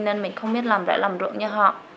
nên mình không biết làm đã làm ruộng như họ